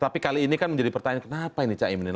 tapi kali ini kan menjadi pertanyaan kenapa ini cak imin